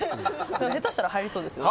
下手したら入りそうですよね。